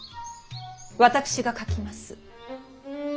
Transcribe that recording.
私が書きます。